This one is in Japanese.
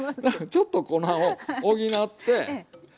ちょっと粉を補って。